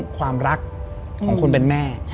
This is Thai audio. ความรักของคนเป็นแม่